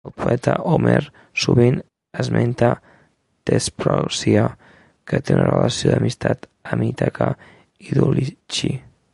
El poeta Homer sovint esmenta Tespròcia, que té una relació d'amistat amb Ítaca i Dulichi.